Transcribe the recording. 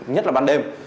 nhất là ban đêm